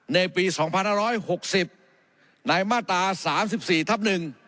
ในปี๒๕๖๐ในมาตรา๓๔ทับ๑